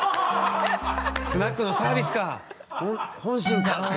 スナックのサービスか本心かなって。